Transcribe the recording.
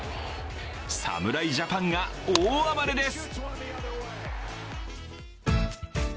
侍ジャパンが大暴れです。